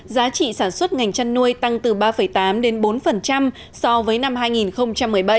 giá trị sản xuất ngành chăn nuôi tăng từ ba tám đến bốn so với năm hai nghìn một mươi bảy